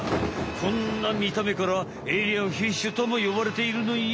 こんなみためからエイリアンフィッシュともよばれているのよ。